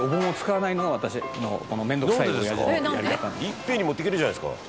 「いっぺんに持っていけるじゃないですか」